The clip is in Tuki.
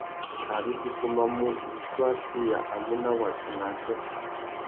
Ari tu fumamú, wissú achiya a mù nà watu nà ātê.